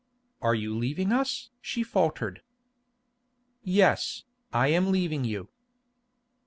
"Are you leaving us?" she faltered. "Yes, I am leaving you."